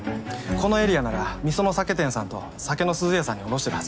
このエリアなら三園酒店さんと酒の寿々屋さんに卸してるはず。